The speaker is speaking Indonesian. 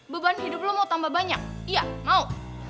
beban hidup lo mau tambah banyak iya mau